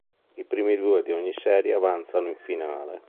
I primi due di ogni serie avanzano in finale.